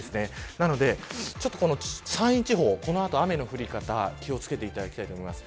なので山陰地方この後、雨の降り方気を付けていただきたいと思います。